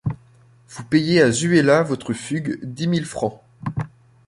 Vous payez à Zuela votre fugue dix mille francs.